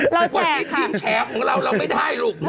เราแจดค่ะแต่ทีมแฉของเราไม่ได้ลูก